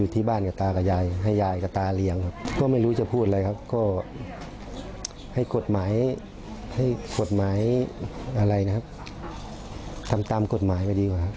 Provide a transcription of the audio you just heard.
ทำตามกฎหมายกว่าดีกว่าครับ